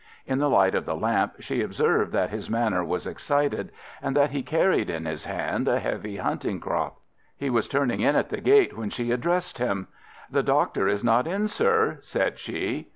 In the light of the lamp she observed that his manner was excited, and that he carried in his hand a heavy hunting crop. He was turning in at the gate when she addressed him. "The doctor is not in, sir," said she.